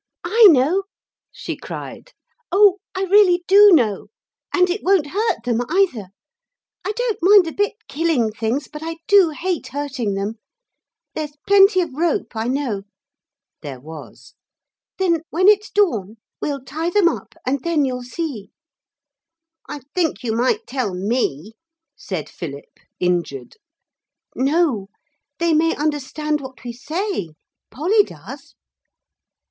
'I know,' she cried, 'oh I really do know. And it won't hurt them either. I don't a bit mind killing things, but I do hate hurting them. There's plenty of rope, I know.' There was. 'Then when it's dawn we'll tie them up and then you'll see.' 'I think you might tell me,' said Philip, injured. 'No they may understand what we say. Polly does.'